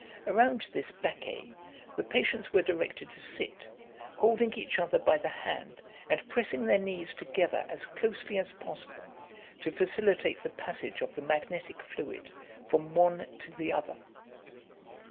Around this baquet the patients were directed to sit, holding each other by the hand, and pressing their knees together as closely as possible, to facilitate the passage of the magnetic fluid from one to the other.